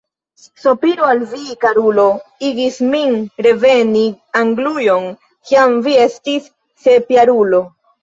Sopiro al vi, karulo, igis min reveni Anglujon, kiam vi estis sepjarulo.